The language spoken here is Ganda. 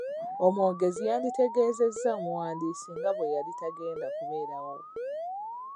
Omwogezi yanditegezezza omuwandiisi nga bwe yali tagenda kubeerawo.